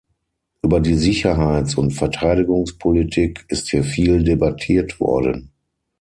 Über die Sicherheits und Verteidigungspolitik ist hier viel debattiert worden.